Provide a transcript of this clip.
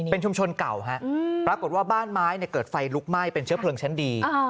เป็นชุมชนเก่าฮะปรากฏว่าบ้านไม้เกิดไฟลุกไหม้เป็นเชื้อเพลิงชั้นดี